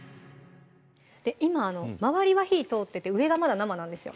今周りは火通ってて上がまだ生なんですよ